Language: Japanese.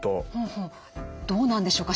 どうなんでしょうか？